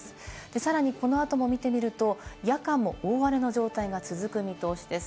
さらにこの後も見てみると、夜間も大荒れの状態が続く見通しです。